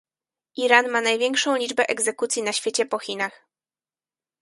Iran ma największą liczbę egzekucji na świecie po Chinach